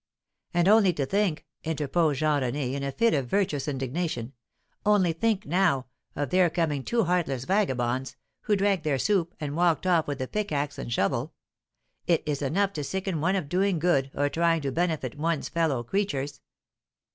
"And only to think," interposed Jean René, in a fit of virtuous indignation, "only think, now, of there coming two heartless vagabonds, who drank their soup and walked off with the pickaxe and shovel. It is enough to sicken one of doing good or trying to benefit one's fellow creatures."